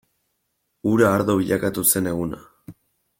Ura ardo bilakatu zen eguna.